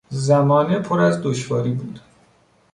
زمانه پر از دشواری بود.